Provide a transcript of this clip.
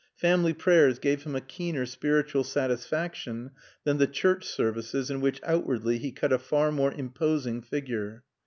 Family prayers gave him a keener spiritual satisfaction than the church services in which, outwardly, he cut a far more imposing figure.